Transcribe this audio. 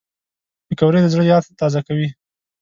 پکورې د زړه یاد تازه کوي